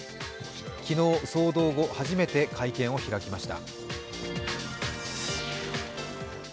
昨日、騒動後初めて会見を開きました。